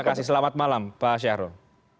terima kasih selamat malam pak syahrul